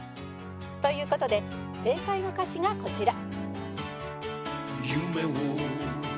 という事で正解の歌詞がこちら